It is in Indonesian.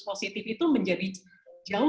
positif itu menjadi jauh